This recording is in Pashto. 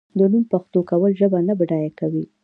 د نوم پښتو کول ژبه نه بډای کوي.